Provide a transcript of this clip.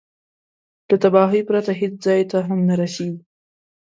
له تباهي پرته هېڅ ځای ته هم نه رسېږي.